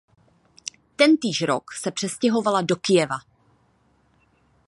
Tentýž rok se přestěhovala do Kyjeva.